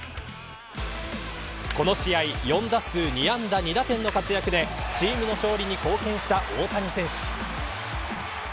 この試合、４打数２安打２打点の活躍でチームの勝利に貢献した大谷選手。